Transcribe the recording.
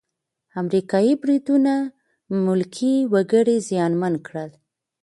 امریکايي بریدونه ملکي وګړي زیانمن کړل.